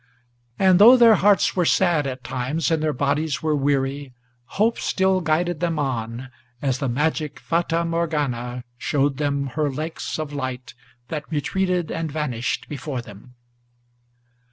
And, though their hearts were sad at times and their bodies were weary, Hope still guided them on, as the magic Fata Morgana Showed them her lakes of light, that retreated and vanished before them.